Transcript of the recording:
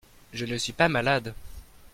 Je ne suis pas malade.